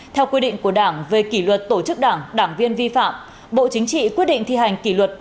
theo quy định của đảng về kỷ luật tổ chức đảng đảng viên vi phạm bộ chính trị quyết định thi hành kỷ luật